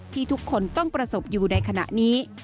ที่ทุกคนต้องประสบอยู่ในขณะนี้